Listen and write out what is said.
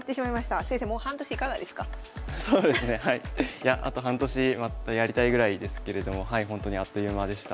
いやあと半年またやりたいぐらいですけれどもほんとにあっという間でした。